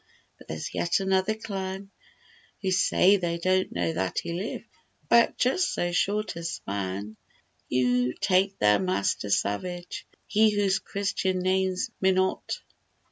But there's yet another clan Who say they don't know that He lived— Back just so short a span! You take their Mister Savage; He whose "Christian" name's Minot.